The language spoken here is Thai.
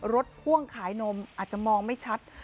พ่วงขายนมอาจจะมองไม่ชัด